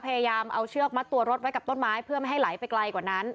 พยายามเอาเชือกมัดตัวรถไว้กับต้นไม้เพื่อไม่ให้ไหลไปไกลกว่านั้น